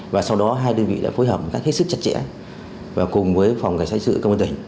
và sau đó hai đơn vị đã phối hợp một cách hết sức chặt chẽ và cùng với phòng cảnh sát sự công an tỉnh